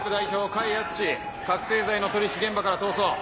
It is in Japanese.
・甲斐篤志覚醒剤の取引現場から逃走。